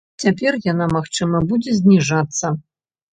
Цяпер яна, магчыма, будзе зніжацца.